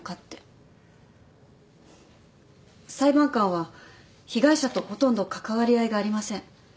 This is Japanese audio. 裁判官は被害者とほとんど関わり合いがありません。